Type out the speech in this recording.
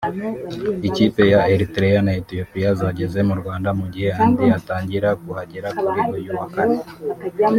Ikipe ya Eritrea na Ethiopia zageze mu Rwanda mu gihe andi atangira kuhagera kuri uyu wa Kane